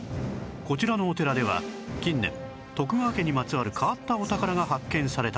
こちらのお寺では近年徳川家にまつわる変わったお宝が発見されたという